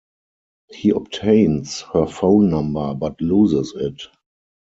He obtains her phone number but loses it.